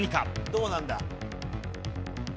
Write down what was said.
どうなんだ？